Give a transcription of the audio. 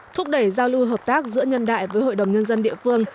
thúc đẩy giao lưu hợp tác giữa nhân đại với hội đồng nhân dân địa phương